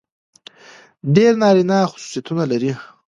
ډېر نارينه خصوصيتونه لري.